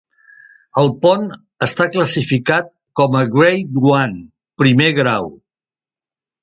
El pont està classificat com a Grade One (primer grau).